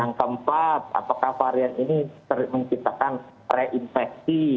yang keempat apakah varian ini menciptakan reinfeksi